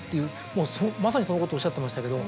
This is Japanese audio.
もうまさにそのことをおっしゃってましたけど。